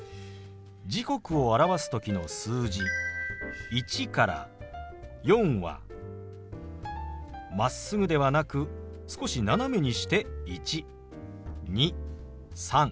時刻を表す時の数字１から４はまっすぐではなく少し斜めにして１２３４。